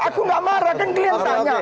aku gak marah kan kalian tanya